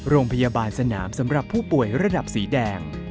โรงพยาบาลสนามสำหรับผู้ป่วยระดับสีแดง